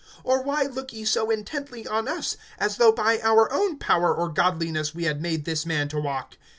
Or why look ye so intently on us, as though by our own power or godliness we had made this man to walk?